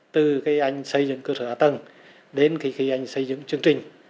từ khi anh xây dựng cơ sở hạ tầng đến khi anh xây dựng chương trình